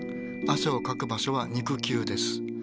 汗をかく場所は肉球です。